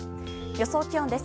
予想気温です。